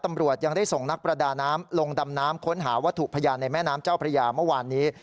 ตำรวจยังได้ส่งนักประดาน้ำลงดำน้ำค้นหาวัตถุพยานในแม่น้ำเจ้าพระยาเมื่อวานนี้